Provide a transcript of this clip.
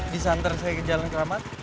bisa antar saya ke jalan keramat